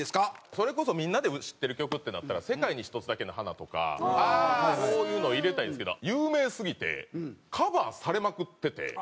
それこそみんなで知ってる曲ってなったら『世界に一つだけの花』とかそういうのを入れたいんですけど有名すぎてカバーされまくってて。